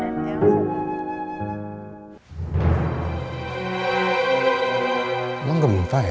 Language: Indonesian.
emang gempa ya